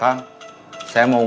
paling ada apa yang kamu lakukan